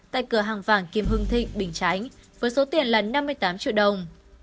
tại cửa hàng vàng kim hưng thịnh bình chánh với số tiền là năm mươi tám triệu đồng